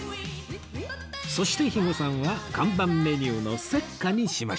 そして肥後さんは看板メニューの雪華にしました